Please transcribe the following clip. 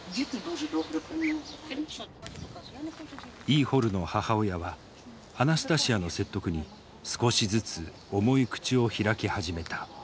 イーホルの母親はアナスタシヤの説得に少しずつ重い口を開き始めた。